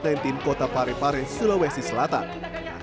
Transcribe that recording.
kota parepare sulawesi selatan